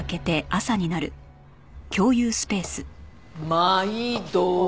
まいど。